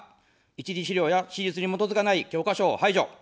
一次史料や史実に基づかない教科書を排除。